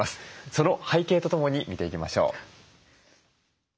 その背景とともに見ていきましょう。